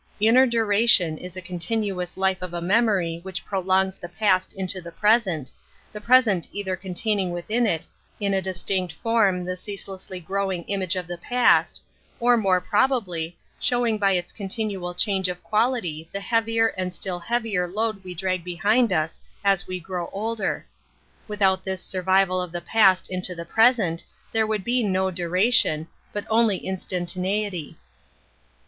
Inner duration is the continuous life of a memory which prolongs the past into the present, the present either containing within it ; a distinct form the ceaselessly growth Metaphysics 45 image of the past, or, more probably, show ing by its continual change of quality the heavier and still heavier load we drag be hind us as we grow older. Without this survival of the past into the present there would be no duration, but only instantaneity.